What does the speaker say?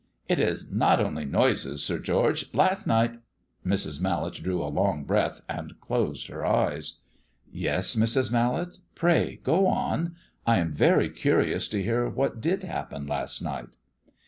"It is not only noises, Sir George. Last night " Mrs. Mallet drew a long breath and closed her eyes. "Yes, Mrs. Mallet, pray go on; I am very curious to hear what did happen last night."